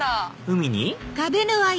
海に？